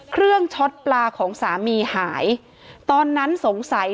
ช็อตปลาของสามีหายตอนนั้นสงสัย